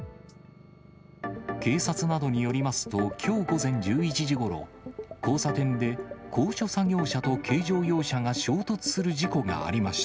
警察などによりますと、きょう午前１１時ごろ、交差点で高所作業車と軽乗用車が衝突する事故がありました。